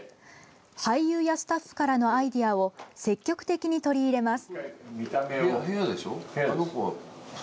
俳優やスタッフからのアイデアを積極的に取り入れます。